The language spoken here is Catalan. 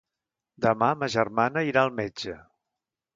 Demà ma germana irà al metge.